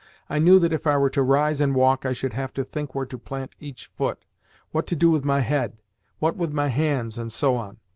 I knew that if I were to rise and walk I should have to think where to plant each foot, what to do with my head, what with my hands, and so on.